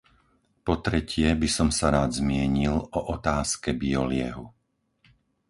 Po tretie by som sa rád zmienil o otázke bioliehu.